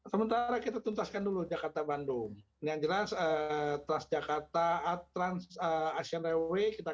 sementara kita tuntaskan dulu jakarta bandung yang jelas transjakarta trans asian railway kita